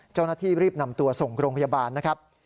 เจ้าหน้าที่รีบนำตัวส่งโรงพยาบาลนะครับ